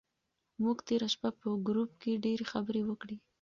موږ تېره شپه په ګروپ کې ډېرې خبرې وکړې.